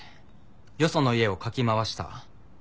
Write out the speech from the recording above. よその家をかき回した。